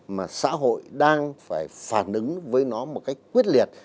mà xã hội đang phải phản ứng với nó một cách quyết liệt